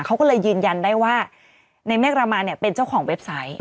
เขาก็เลยยืนยันได้ว่าในเมฆรามานเนี่ยเป็นเจ้าของเว็บไซต์